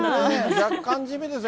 若干地味ですね。